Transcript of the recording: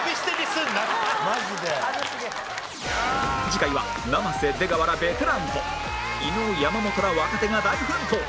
次回は生瀬出川らベテランと伊野尾山本ら若手が大奮闘！